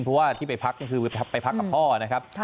เพราะว่าที่ไปพักนี่คือไปพักกับพ่อนะครับ